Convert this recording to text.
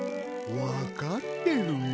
わかってるよ。